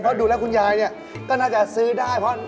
เพราะดูแล้วคุณยายเนี่ยก็น่าจะซื้อได้เพราะ